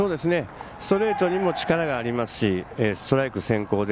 ストレートにも力がありますしストライク先行で。